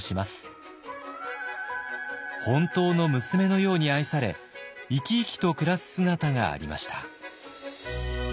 本当の娘のように愛され生き生きと暮らす姿がありました。